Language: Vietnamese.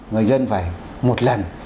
người dân phải một lần